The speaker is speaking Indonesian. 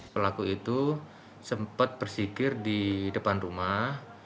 pelaku itu sempat bersikir di depan rumah